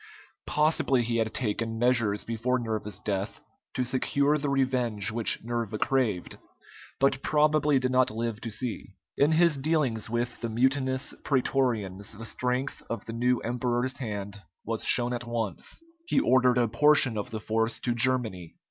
Possibly he had taken measures before Nerva's death to secure the revenge which Nerva craved, but probably did not live to see. In his dealings with the mutinous prætorians the strength of the new emperor's hand was shown at once. He ordered a portion of the force to Germany.